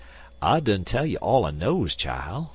"I done tell you all I knows, chile.